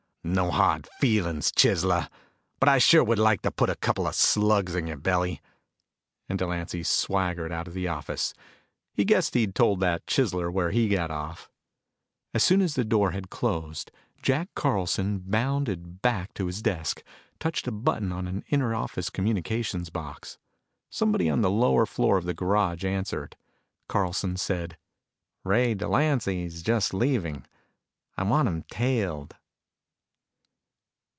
"No hard feelings, chiseler, but I sure would like to put a couple of slugs in your belly!" And Delancy swaggered out of the office. He guessed he'd told that chiseler where he got off. As soon as the door had closed, Jack Carlson bounded back to his desk, touched a button on an inter office communications box. Somebody on the lower floor of the garage answered. Carlson said, "Ray Delancy is just leaving. I want him tailed."